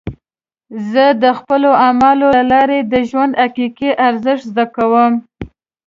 زه د خپلو اعمالو له لارې د ژوند حقیقي ارزښت زده کوم.